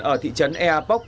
ở thị trấn ea póc